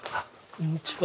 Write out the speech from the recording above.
こんにちは。